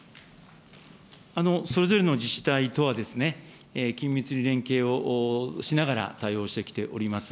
それぞれの自治体とは、緊密に連携をしながら、対応してきております。